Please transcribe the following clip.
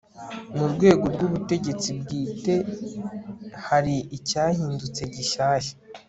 mu rwego rw'ubutegetsi bwite hari icyahindutse gishyashya